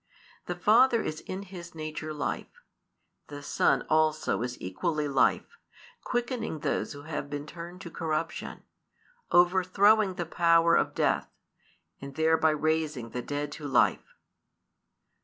The Father is in His nature Life: the Son also is equally Life, quickening those who have been turned to corruption, overthrowing the power of death, and thereby raising the dead to life.